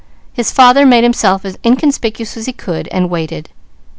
His father made himself as inconspicuous as he could and waited.